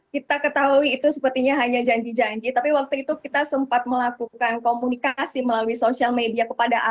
kita ketahui itu sepertinya hanya janji janji tapi waktu itu kita sempat melakukan komunikasi melalui sosial media kepada anak anak